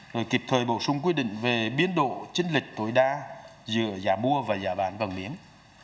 rồi kịp thời bổ sung quy định về biến độ chính lịch tối đa giữa giá mua và giá bán vàng miếng